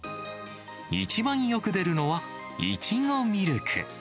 一番よく出るのは、いちごみるく。